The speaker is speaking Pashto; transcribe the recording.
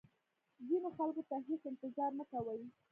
ځینو خلکو ته هیڅ انتظار مه کوئ.